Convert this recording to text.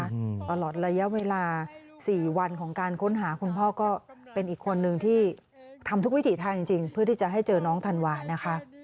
ตลอดระยะเวลาสี่วันของการค้นหาคุณพ่อก็เป็นอีกคนนึงที่ทำทุกวิถีทางจริงจริงเพื่อที่จะให้เจอน้องธันวานะคะ